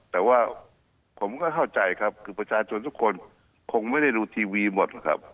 แต่ว่าผมก็เข้าใจครับคือประชาชนทุกคนคงไม่ได้ดูทีวีหมดหรอกครับ